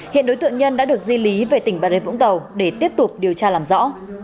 hiện đối tượng nhân đã được di lý về tỉnh bà rê vũng tàu để tiếp tục điều tra làm rõ